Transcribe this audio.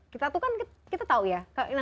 kita tuh kan kita tahu ya